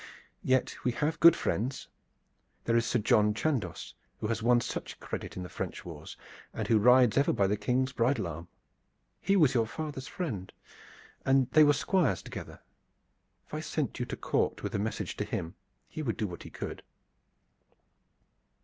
Yet we have good friends. There is Sir John Chandos, who has won such credit in the French wars and who rides ever by the King's bridle arm. He was your father's friend and they were Squires together. If I sent you to court with a message to him he would do what he could."